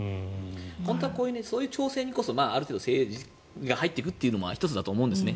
本当はそういう調整にこそ政府が入っていくことが１つだと思うんですね。